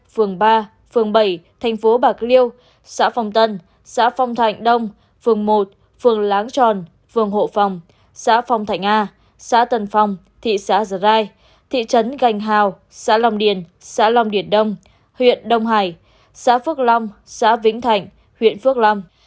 phường ba phường bảy thành phố bạc liêu xá phong tân xá phong thạnh đông phường một phường láng tròn phường hộ phòng xá phong thạnh a xá tân phong thị xá giờ rai thị trấn gành hào xá lòng điền xá lòng điền đông huyện đông hải xá phước long xá vĩnh thạnh huyện phước long